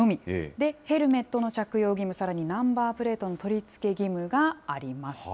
で、ヘルメットの着用義務、さらにナンバープレートの取り付け義務がありますと。